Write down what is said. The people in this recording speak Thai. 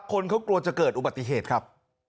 คนเขากลัวจะเกิดอุบัติเหตุครับ